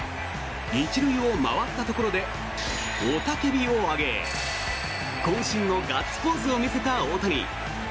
１塁を回ったところで雄たけびを上げこん身のガッツポーズを見せた大谷。